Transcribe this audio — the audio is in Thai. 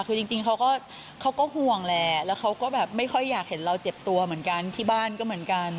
คือจริงเขาก็ห่วงแหละแล้วเขาก็แบบไม่ค่อยอยากเห็นเราเจ็บตัวเหมือนกันที่บ้านก็เหมือนกัน